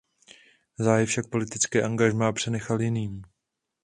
Záhy však politické angažmá přenechal jiným.